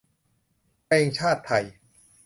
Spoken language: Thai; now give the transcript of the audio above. เพลงชาติไทย